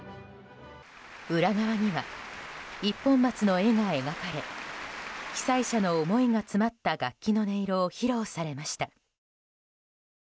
裏側には一本松の絵が描かれ被災者の思いが詰まった楽器の音色を披露されました。